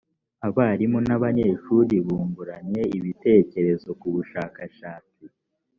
abarimu n’abanyeshuri bunguranye ibitkerezo kubushakashatsi